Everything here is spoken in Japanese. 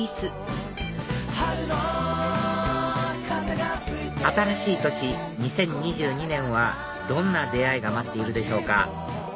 なっちゃん新しい年２０２２年はどんな出会いが待っているでしょうか